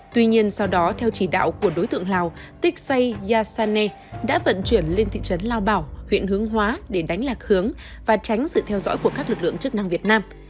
tuy nhiên sau đó theo chỉ đạo của đối tượng lào tik say ya sane đã vận chuyển lên thị trấn lào bảo huyện hướng hóa để đánh lạc hướng và tránh sự theo dõi của các lực lượng chức năng việt nam